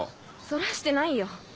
そらしてないよ。